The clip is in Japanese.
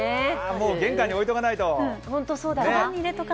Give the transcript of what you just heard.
もう玄関に置いておかないと。